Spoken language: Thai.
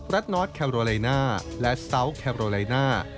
รัฐนอร์ดแคลโรเลน่าและซาวท์แคลโรเลน่า